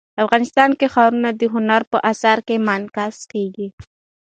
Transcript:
افغانستان کې ښارونه د هنر په اثار کې منعکس کېږي.